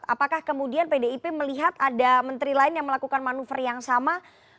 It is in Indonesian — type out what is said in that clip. apakah kemudian pdip melihat ada menteri lain yang melakukan manuver yang sama